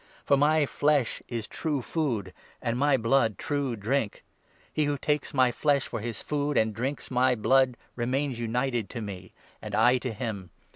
For my flesh is true food, and my blood true drink. He who takes my flesh for his food, and drinks my blood, remains united to me, and I to him.